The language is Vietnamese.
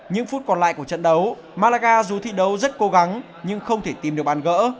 những phút còn lại của trận đấu malaga dù thi đấu rất cố gắng nhưng không thể tìm được bàn gỡ